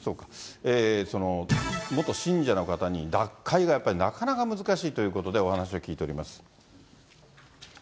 元信者の方に脱会がやっぱりなかなか難しいということで、お話しを聞いております。